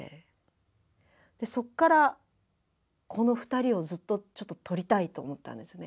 そっからこの２人をずっとちょっと撮りたいと思ったんですよね。